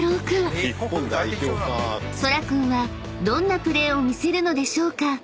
［そら君はどんなプレーを見せるのでしょうか？］